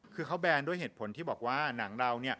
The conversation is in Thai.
คือเขาแบนด้วยเหตุผลที่บอกว่าหนังเรา